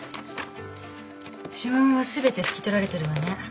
指紋は全てふき取られてるわね。